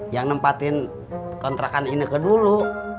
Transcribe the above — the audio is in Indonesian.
yang nempatin kontrakan ini ke dulu